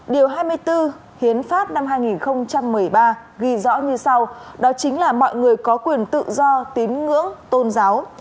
điều hai mươi bốn hiến pháp năm hai nghìn một mươi ba ghi rõ như sau đó chính là mọi người có quyền tự do tín ngưỡng tôn giáo